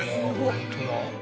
本当だ